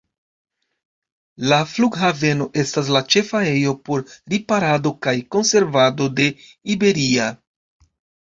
La flughaveno estas la ĉefa ejo por riparado kaj konservado de Iberia.